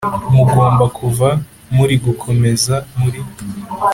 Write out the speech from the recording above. Mugombwa kuva muri gukomeza muri